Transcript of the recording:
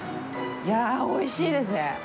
いや、おいしいですね。